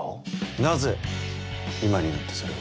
なぜ今になってそれを？